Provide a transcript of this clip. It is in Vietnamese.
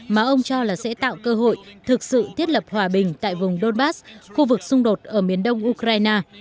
mà ông cho là sẽ tạo cơ hội thực sự thiết lập hòa bình tại vùng donbass khu vực xung đột ở miền đông ukraine